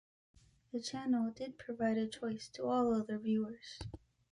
The channel did provide a choice to all other viewers.